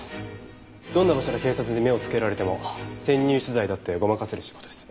どんな場所で警察に目をつけられても潜入取材だってごまかせる仕事です。